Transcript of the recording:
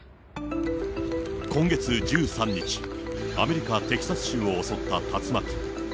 今月１３日、アメリカ・テキサス州を襲った竜巻。